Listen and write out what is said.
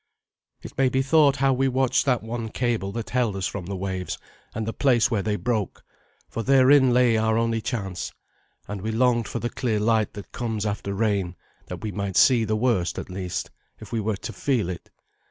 It may be thought how we watched that one cable that held us from the waves and the place where they broke, for therein lay our only chance, and we longed for the clear light that comes after rain, that we might see the worst, at least, if we were to feel it.